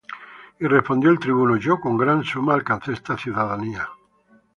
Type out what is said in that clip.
Y respondió el tribuno: Yo con grande suma alcancé esta ciudadanía.